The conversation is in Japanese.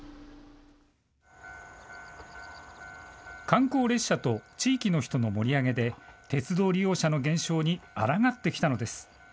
観光列車と地域の人の盛り上げで、鉄道利用者の減少にあらがってきたのです。